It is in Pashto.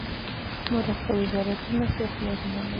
مرکب عبارت څو خیالونه لري.